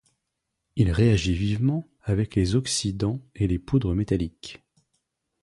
Il réagit vivement avec les oxydants et les poudres métalliques.